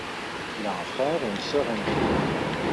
Il a un frère et une sœur aînés.